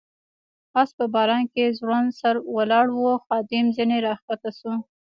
آس په باران کې ځوړند سر ولاړ و، خادم ځنې را کښته شو.